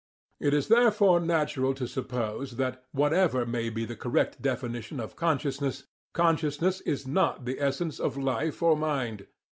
It is therefore natural to suppose that, what ever may be the correct definition of "consciousness," "consciousness" is not the essence of life or mind.